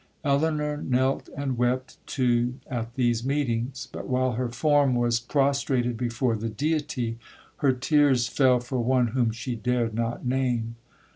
Elinor knelt and wept too at these meetings; but, while her form was prostrated before the Deity, her tears fell for one whom she dared not name.